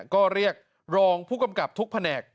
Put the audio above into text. ก็เรียกรองผู้กำกับทุกแผนก